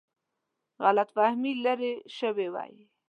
غلط فهمي لیرې شوې وای.